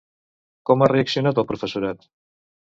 Com ha reaccionat el professorat?